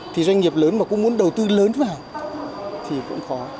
thì doanh nghiệp lớn mà cũng muốn đầu tư lớn vào thì cũng khó